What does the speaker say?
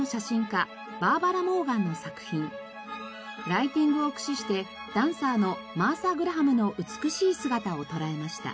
ライティングを駆使してダンサーのマーサ・グラハムの美しい姿を捉えました。